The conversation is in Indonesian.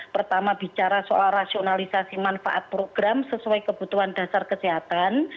pertama bicara soal rasionalisasi manfaat program sesuai kebutuhan dasar kesehatan